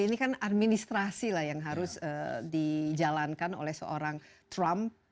ini kan administrasi lah yang harus dijalankan oleh seorang trump